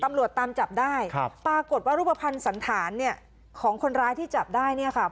ตำรวจตามจับได้ครับปรากฏว่ารูปภัณฑ์สันธารเนี่ยของคนร้ายที่จับได้เนี่ยค่ะ